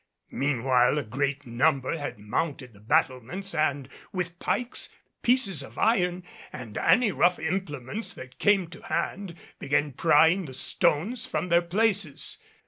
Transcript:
Meanwhile a great number had mounted the battlements and with pikes, pieces of iron, and any rough implements that came to hand, began prying the stones from their places.